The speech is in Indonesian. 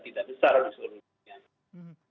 sebenarnya juga tidak besar di seluruh dunia